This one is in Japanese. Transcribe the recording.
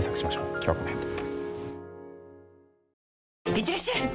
いってらっしゃい！